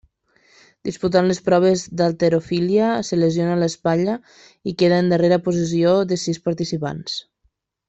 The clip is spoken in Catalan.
Disputant les proves d'halterofília es lesionà l'espatlla i quedà en darrera posició de sis participants.